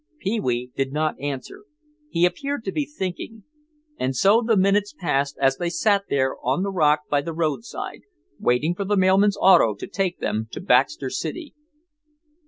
Pee wee did not answer; he appeared to be thinking. And so the minutes passed as they sat there on the rock by the roadside, waiting for the mailman's auto to take them to Baxter City.